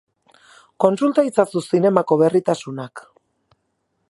Kontsulta itzazu zinemako berritasunak.